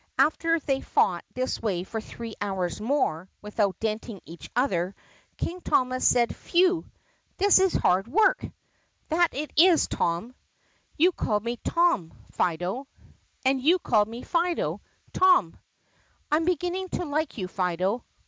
After they had fought this way for three hours more without denting each other, King Thomas said, "Phew! This is hard work." "It is that, Tom." "You called me Tom, Fido." "And you called me Fido, Tom." "I 'm beginning to like you, Fido.